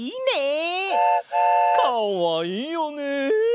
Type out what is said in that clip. かわいいよねえ！